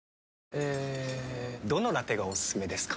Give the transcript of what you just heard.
えどのラテがおすすめですか？